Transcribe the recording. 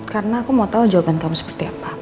karena aku mau tau jawaban kamu seperti apa